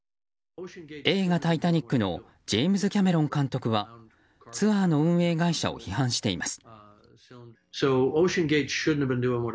映画「タイタニック」のジェームズ・キャメロン監督はツアーの運営会社を批判しています。